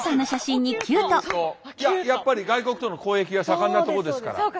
いややっぱり外国との交易が盛んなとこですから。